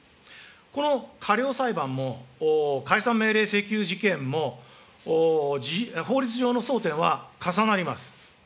この過料裁判も、解散命令請求事件も、法律上の争点は重なります。